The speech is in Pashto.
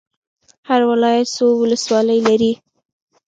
هر ولایت څو ولسوالۍ لري؟